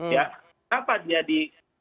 kenapa dia di